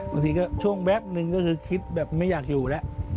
บางทีก็ช่วงแป๊บนึงก็คือคิดแบบไม่อยากอยู่แล้ว